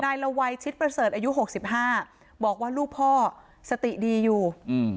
ละวัยชิดประเสริฐอายุหกสิบห้าบอกว่าลูกพ่อสติดีอยู่อืม